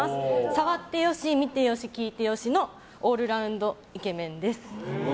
触ってよし、見てよし聞いてよしのオールラウンドイケメンです。